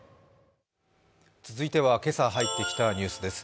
続いては、今朝入ってきたニュースです。